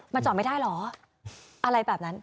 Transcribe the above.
มันจอดไม่ได้เหรออะไรแบบนั้น